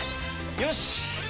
よし！